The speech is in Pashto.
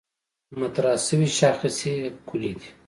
مطرح شوې شاخصې کُلي دي.